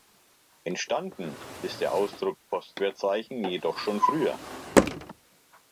Entstanden ist der Ausdruck „Postwertzeichen“ jedoch schon früher.